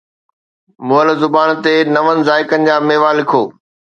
مئل زبان تي نون ذائقن جا ميوا لکو